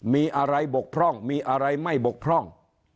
มีอะไรบกพร่องมีอะไรไม่บกพร่อง